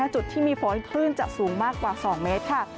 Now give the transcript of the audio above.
จุดที่มีฝนคลื่นจะสูงมากกว่า๒เมตรค่ะ